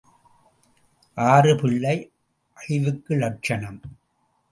ஆறு பிள்ளை அழிவுக்கு லட்சணம்.